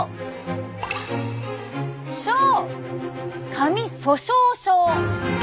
髪粗しょう症。